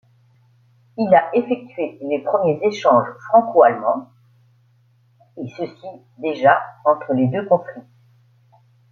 Il a effectué les premiers échanges franco-allemand, et ceci déjà entre les deux conflits.